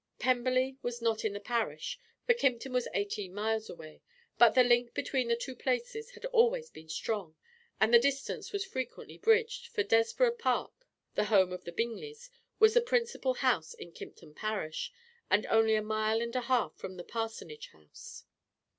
Pemberley was not in the parish, for Kympton was eighteen miles away, but the link between the two places had always been strong, and the distance was frequently bridged, for Desborough Park, the home of the Bingleys, was the principal house in Kympton Parish, and only a mile and a half from the parsonage house.